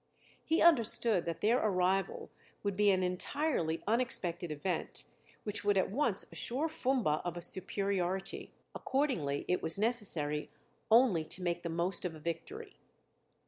He understood that their arrival would be an entirely unexpected event which would at once assure Fumba of a superiority. Accordingly it was necessary only to make the most of a victory.